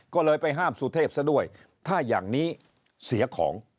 ก็เลยไปห้ามสุเทพซะด้วยถ้าอย่างนี้เสียของ